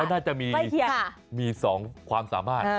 มันน่าจะมีมีสองความสามารถ